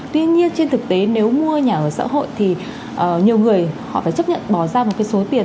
tuy nhiên trên thực tế nếu mua nhà ở xã hội thì nhiều người họ phải chấp nhận bỏ ra một cái số tiền